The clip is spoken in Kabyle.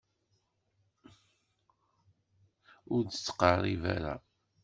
Ur d-ttqeṛṛib ara.